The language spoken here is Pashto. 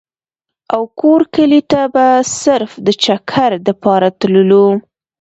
او کور کلي ته به صرف د چکر دپاره تللو ۔